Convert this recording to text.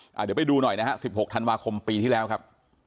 เดี๋ยวไปดูหน่อยนะฮะ๑๖ธันวาคมปีที่แล้วครับ